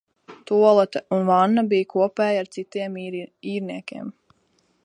Tualete un vanna bija kopēja ar citiem īrniekiem.